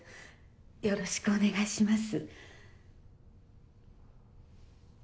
よろしくお願いします。